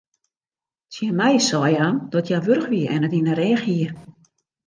Tsjin my sei hja dat hja wurch wie en it yn de rêch hie.